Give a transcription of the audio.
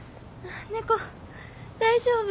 猫大丈夫？